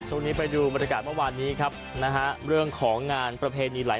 สู่นี้ไปดูบริการจากวันนี้ครับนะฮะเรื่องของงานประเปหนีไหลอย่าง